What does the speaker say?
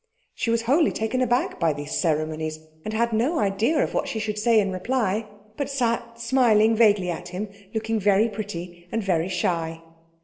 She was wholly taken aback by these ceremonies, and had no idea of what she should say in reply, but sat smiling vaguely at him, looking very pretty and very shy.